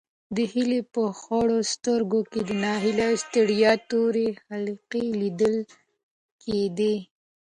د هیلې په خړو سترګو کې د ناهیلۍ او ستړیا تورې حلقې لیدل کېدې.